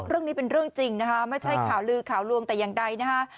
เรื่องนี้เป็นเรื่องจริงนะคะไม่ใช่ข่าวลือข่าวลวงแต่อย่างใดนะคะ